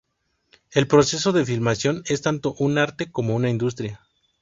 El proceso de filmación es tanto un arte como una industria.